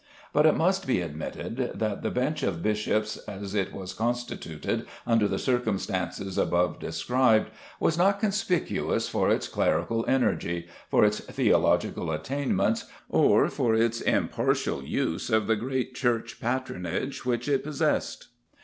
But it must be admitted that the bench of bishops as it was constituted under the circumstances above described was not conspicuous for its clerical energy, for its theological attainments, or for its impartial use of the great church patronage which it possessed.